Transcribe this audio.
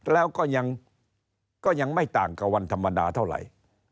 แล้วก็ยังไม่ต่างกับวันธรรมดาเท่าไหร่